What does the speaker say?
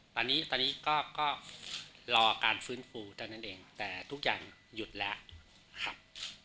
ตอนนี้ตอนนี้ก็รอการฟื้นฟูเท่านั้นเองแต่ทุกอย่างหยุดแล้วครับ